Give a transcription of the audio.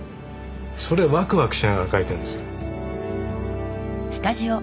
それをワクワクしながら描いてるんですよ。